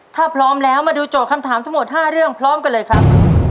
ถ้าพร้อมแล้วมาดูโจทย์คำถามทั้งหมด๕เรื่องพร้อมกันเลยครับ